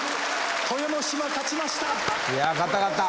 豊ノ島勝ちました！